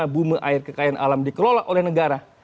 bume air kekayaan alam dikelola oleh negara